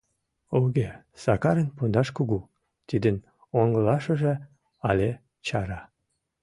Уке, Сакарын пондаш кугу, тидын оҥылашыже але чара...